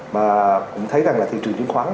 mà cũng thấy rằng là thị trường chứng khoán